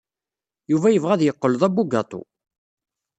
Yuba yebɣa ad yeqqel d abugaṭu.